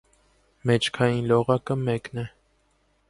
Մեջքային լողակը մեկն է։